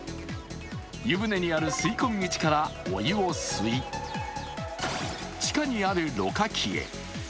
湯船にある吸い込み口からお湯を吸い、地下にある、ろ過器へ。